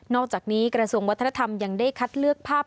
อกจากนี้กระทรวงวัฒนธรรมยังได้คัดเลือกภาพ